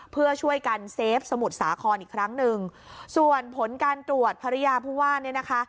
เพื่อช่วยกันเซฟสมุทรสาครอีกครั้งหนึ่งส่วนผลการตรวจภรรยาผู้ว่าเนี่ยนะคะ